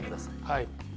はい。